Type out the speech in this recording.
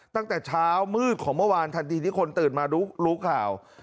ตั้งแต่เช้ามืดของเมื่อวานทันทีที่คนตื่นมารู้ข่าว